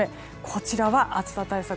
こちらは暑さ対策